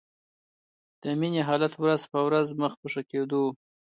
د مينې حالت ورځ په ورځ مخ په ښه کېدو و